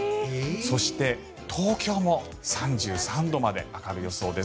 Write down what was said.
そして、東京も３３度まで上がる予想です。